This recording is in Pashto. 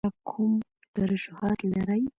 ایا کوم ترشحات لرئ؟